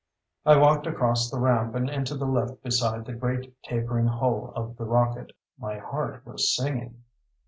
I walked across the ramp and into the lift beside the great tapering hull of the rocket. My heart was singing.